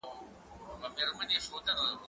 زه درس نه لولم؟!